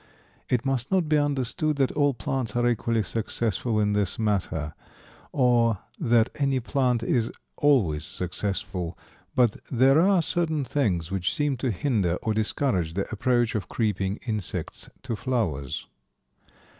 It must not be understood that all plants are equally successful in this matter, or that any plant is always successful, but there are certain things which seem to hinder or discourage the approach of creeping insects to flowers.